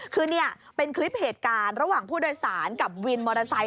คือนี่เป็นคลิปเหตุการณ์ระหว่างผู้โดยสารกับวินมอเตอร์ไซค